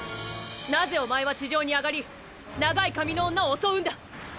なぜおまえは地上に上がり長い髪の女を襲うんだ。